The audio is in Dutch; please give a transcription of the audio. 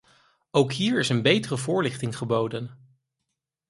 Ook hier is een betere voorlichting geboden.